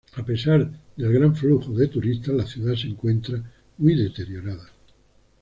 A pesar del gran flujo de turistas, la ciudad se encuentra muy deteriorada.